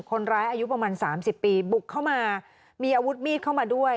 อายุประมาณ๓๐ปีบุกเข้ามามีอาวุธมีดเข้ามาด้วย